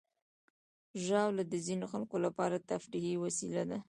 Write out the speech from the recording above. ژاوله د ځینو خلکو لپاره تفریحي وسیله ده.